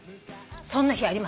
そんな日あります」